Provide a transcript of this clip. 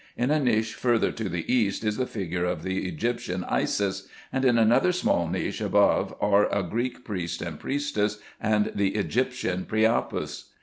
In a niche further to the east is the figure of the Egyptian Isis ; and in another small niche above are a Greek priest and priestess, and the Egyptian Priapus.